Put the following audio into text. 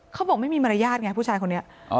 เขาบอกไม่มีมารยาทไงผู้ชายคนนี้